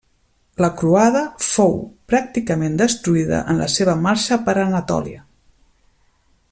La Croada fou pràcticament destruïda en la seva marxa per Anatòlia.